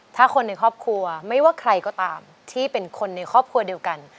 ถ้าคนในครอบครัวไม่ว่าใครก็ตามที่เป็นคนในครอบครัวเดียวกัน